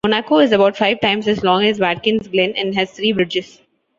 Monaco is about five times as long as Watkins Glen, and has three bridges.